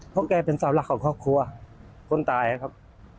เพราะแกเป็นสาวหลักของครอบครัวคนตายครับ